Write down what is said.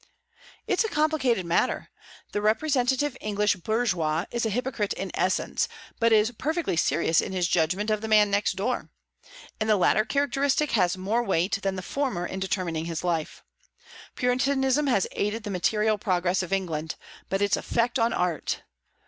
"It's a complicated matter. The representative English bourgeois is a hypocrite in essence, but is perfectly serious in his judgment of the man next door; and the latter characteristic has more weight than the former in determining his life. Puritanism has aided the material progress of England; but its effect on art!